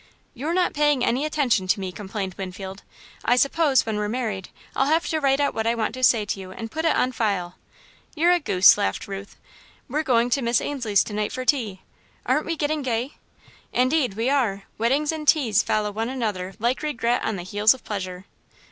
"You're not paying any attention to me," complained Winfield. "I suppose, when we're married, I'll have to write out what I want to say to you, and put it on file." "You're a goose," laughed Ruth. "We're going to Miss Ainslie's to night for tea. Aren't we getting gay?" "Indeed we are! Weddings and teas follow one another like Regret on the heels of Pleasure."